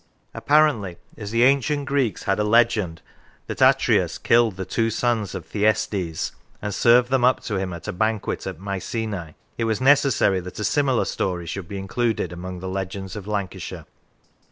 Till the Time of Leland Apparently, as the ancient Greeks had a legend that Atreus killed the two sons of Thyestes, and served them up to him at a banquet at Mycenae, it was necessary that a similar story should be included among the legends of Lancashire.